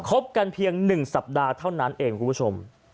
บกันเพียง๑สัปดาห์เท่านั้นเองคุณผู้ชม